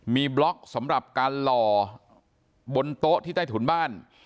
มีบล็อกสำหรับการหล่อบนโต๊ะที่ใต้ถุนบ้าน